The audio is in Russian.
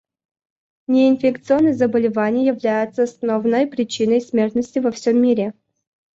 Неинфекционные заболевания являются основной причиной смертности во всем мире.